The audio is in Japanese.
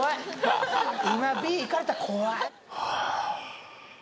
今Ｂ行かれたら怖い